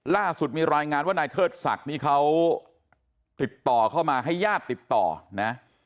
ล่าสุดมีรายงานว่านายเทิดศักดิ์นี่เขาติดต่อเข้ามาให้ญาติติดต่อนะ